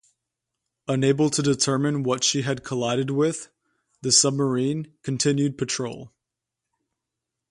Unable to determine what she had collided with, the submarine continued patrol.